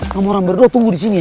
kamu orang berdua tunggu disini ya